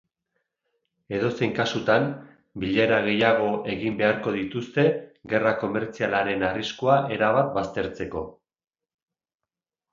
Edozein kasutan, bilera gehiago egin beharko dituzte gerra komertzialaren arriskua erabat baztertzeko.